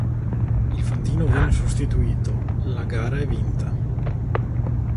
Il fantino viene sostituito, la gara è vinta.